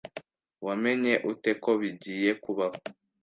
Wamenye ute ko bigiye kubaho?